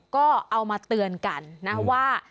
ก็เอามาเตือนกันนะว่า